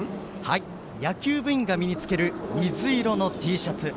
野球部員が身につける水色のＴシャツ。